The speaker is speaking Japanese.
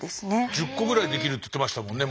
１０コぐらいできるって言ってましたもんね